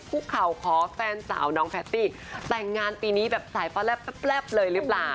คุกเข่าขอแฟนสาวน้องแฟตตี้แต่งงานปีนี้แบบสายฟ้าแลบเลยหรือเปล่า